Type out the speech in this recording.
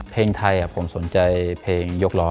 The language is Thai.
เพลงไทยผมสนใจเพลงยกล้อ